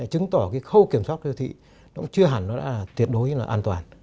chứng tỏ khâu kiểm soát siêu thị chưa hẳn là tuyệt đối an toàn